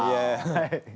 はい！